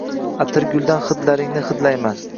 Atirguldan hidlaringni hidlayman